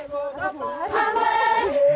kami berbicara tentang kebahagiaan